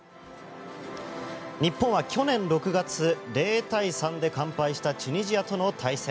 日本は去年６月０対３で完敗したチュニジアとの対戦。